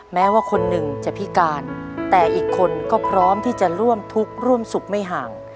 แม้ว่าคนหนึ่งจะพิการแต่อีกคนก็พร้อมที่จะร่วมทุกข์ร่วมสุขไม่ห่าง